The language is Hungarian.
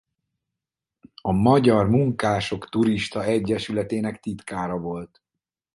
A Magyar Munkások Turista Egyesületének titkára volt.